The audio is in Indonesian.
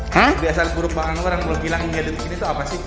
kebiasaan buruk bang anwar yang belum hilang dan tidak ada di sini itu apa sih